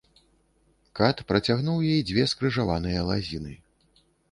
Кат працягнуў ёй дзве скрыжаваныя лазіны.